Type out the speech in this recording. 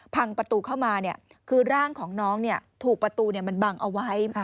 พังประตูเข้ามาคือร่างของน้องถูกประตูมันบังเอาไว้